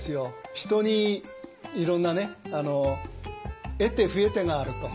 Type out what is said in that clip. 人にいろんなね得手不得手があると。